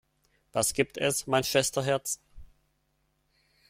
Was gibt es, mein Schwesterherz?